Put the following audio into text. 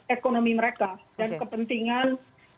ekonomi mereka dan kepentingan